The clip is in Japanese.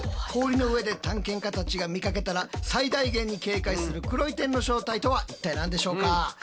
氷の上で探検家たちが見かけたら最大限に警戒する「黒い点」の正体とは一体何でしょうか？